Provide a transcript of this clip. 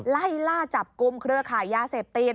ไล่ล่าจับกลุ่มเครือขายยาเสพติด